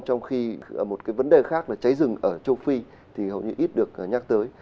trong khi một cái vấn đề khác là cháy rừng ở châu phi thì hầu như ít được nhắc tới